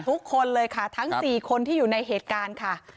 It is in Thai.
ทุกคนเลยค่ะทั้ง๔คนที่อยู่ในเหตุการณ์ค่ะ